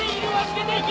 出ていけ！